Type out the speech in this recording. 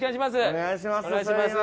お願いします。